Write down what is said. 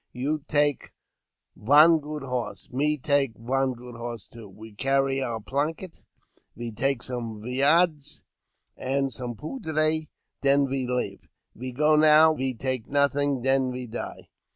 You take von good horse, me take von good horse too ; ve carry our planket, ve take some viande, and some poudre — den ve hve. Ve go now — ve take nothing — den ve die."